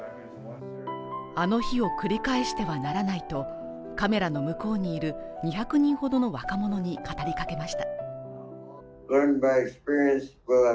あの日を繰り返してはならないとカメラの向こうにいる２００人ほどの若者に語りかけました